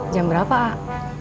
jam berapa ah